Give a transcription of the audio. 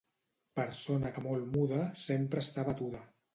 Persona que molt muda sempre està abatuda.